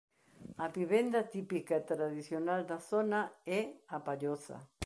A vivenda típica e tradicional da zona é a palloza.